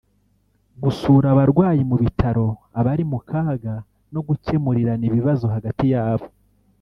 gusura abarwayi mu bitaro abari mu kaga no gukemurirana ibibazo hagati yabo